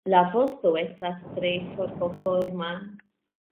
La vosto estas tre forkoforma.